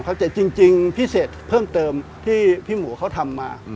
จริงพิเศษเพิ่มเติมที่พี่หมูเขาทำมา